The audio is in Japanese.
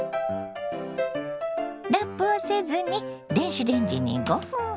ラップをせずに電子レンジに５分ほど。